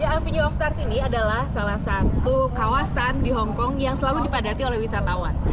avenue of stars ini adalah salah satu kawasan di hongkong yang selalu dipadati oleh wisatawan